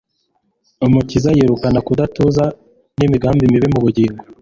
umukiza yirukana kudatuza n'imigambi mibi mu bugingo